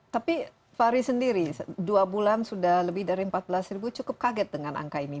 tapi fahri sendiri dua bulan sudah lebih dari empat belas ribu cukup kaget dengan angka ini